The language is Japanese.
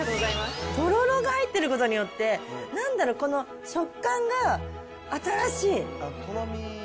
とろろが入ってることによって、なんだろう、この食感が新しい。